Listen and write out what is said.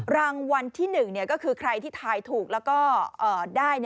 รางวัลที่๑ก็คือใครที่ถ่ายถูกแล้วก็ได้